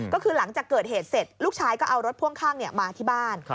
ก็คือหลังจากเกิดเหตุเสร็จลูกชายก็เอารถพ่วงข้างมาที่บ้าน